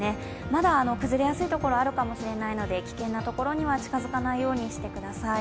まだ崩れやすい所があるかもしれないので危険なところには近づかないでください。